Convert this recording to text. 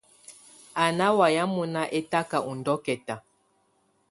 Á ná wayɛ̀á mɔnà ɛtaka ù ndɔkɛ̀ta.